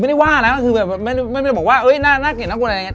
ไม่ได้ว่านะไม่ได้บอกว่าเอ้ยน่าเกลียดน่ากลัวอะไรอย่างนี้